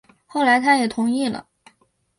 后来他也同意了